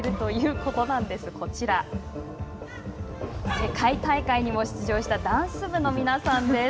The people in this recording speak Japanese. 世界大会にも出場したダンス部の皆さんです。